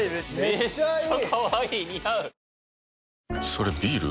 それビール？